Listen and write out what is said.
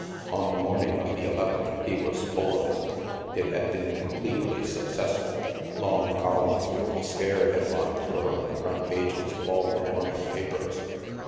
On the morning of the eleventh, he was full of it. It had been completely successful. Long col umns with " scare " headlines were on the front pages of all the morning papers.